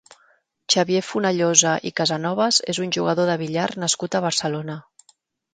Xavier Fonellosa i Casanovas és un jugador de billar nascut a Barcelona.